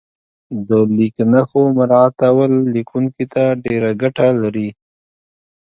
د لیک نښو مراعاتول لیکونکي ته ډېره ګټه لري.